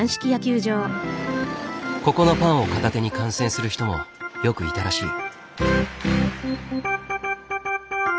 ここのパンを片手に観戦する人もよくいたらしい。